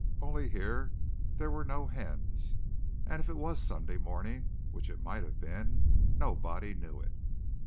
Only here there were no hens, and if it was Sunday morning which it might have been nobody knew it.